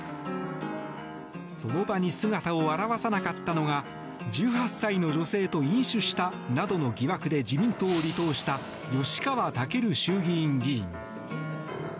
その場に姿を現さなかったのが１８歳の女性と飲酒したなどの疑惑で自民党を離党した吉川赳衆議院議員。